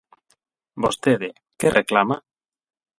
Vostede ¿que reclama?